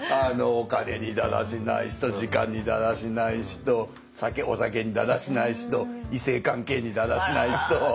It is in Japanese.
お金にだらしない人時間にだらしない人お酒にだらしない人異性関係にだらしない人。